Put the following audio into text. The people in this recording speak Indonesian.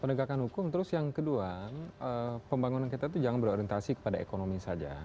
penegakan hukum terus yang kedua pembangunan kita itu jangan berorientasi kepada ekonomi saja